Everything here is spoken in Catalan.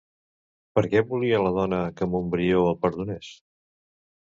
Per què volia la dona que Montbrió el perdonés?